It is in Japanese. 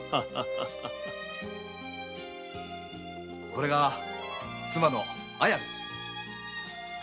これが妻の「あや」です。